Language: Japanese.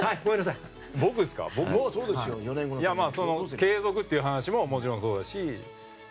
継続という話ももちろん、そうだし。